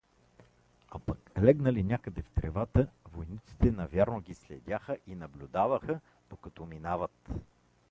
А пък, легнали някъде в тревата, войниците навярно ги следяха и наблюдаваха, докато минават.